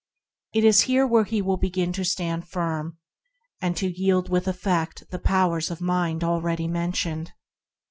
It is here that he will begin to stand firm, and to wield with effect the powers of mind already mentioned.